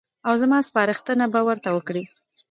او زما سپارښتنه به ورته وکړي.